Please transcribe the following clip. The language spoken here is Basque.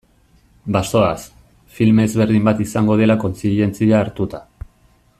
Bazoaz, film ezberdin bat izango dela kontzientzia hartuta.